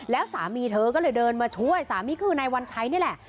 แล้วสามีเธอก็เลยเดินมาช่วยสามีก็คือนายวัญชัยนี่แหละ